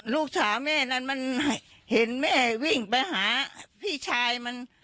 ลูกสาวแม่นั้นเคยเห็นแม่วิ่งไปหาพี่ชาย